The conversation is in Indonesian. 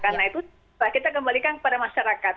karena itu kita kembalikan kepada masyarakat